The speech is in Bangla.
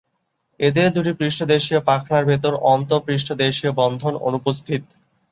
এদের দুটি পৃষ্ঠদেশীয় পাখনার ভেতর অন্ত পৃষ্ঠদেশীয় বন্ধন অনুপস্থিত।